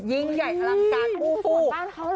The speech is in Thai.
ยิ่งใหญ่พลังการปูปู